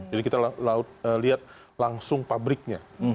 jadi kita lihat langsung pabriknya